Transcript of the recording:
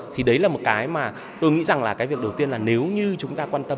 thì đấy là một cái mà tôi nghĩ rằng là cái việc đầu tiên là nếu như chúng ta quan tâm